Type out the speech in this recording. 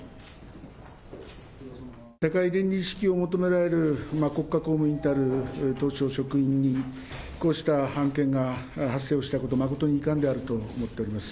高い倫理意識を求められる国家公務員たる当省職員にこうした案件が発生をしたこと、誠に遺憾であると思っております。